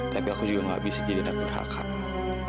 tapi aku juga enggak bisa jadi takdir hak hati